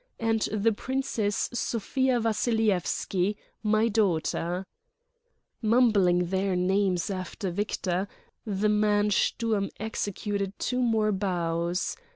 And the Princess Sofia Vassilyevski, my daughter ..." Mumbling their names after Victor, the man Sturm executed two more bows.